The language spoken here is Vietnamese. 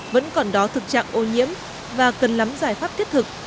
vẫn còn đó thực trạng ô nhiễm và cần nắm giải pháp thiết thực